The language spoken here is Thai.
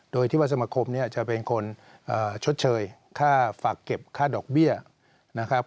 โดยที่ว่าสมคมเนี่ยจะเป็นคนชดเชยค่าฝากเก็บค่าดอกเบี้ยนะครับ